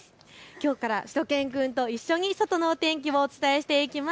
きょうからしゅと犬くんと一緒に外のお天気をお伝えしていきます